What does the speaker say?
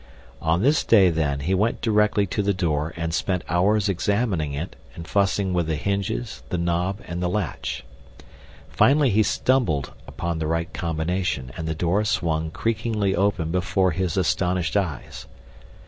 On this day, then, he went directly to the door and spent hours examining it and fussing with the hinges, the knob and the latch. Finally he stumbled upon the right combination, and the door swung creakingly open before his astonished eyes.